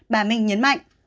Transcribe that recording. bà minh nhấn mạnh